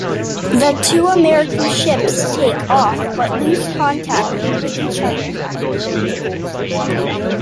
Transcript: The two American ships take off, but lose contact with each other.